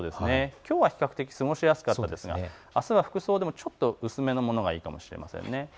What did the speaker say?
きょうは比較的過ごしやすかったですがあすは、服装、ちょっと薄めのものがいいかと思います。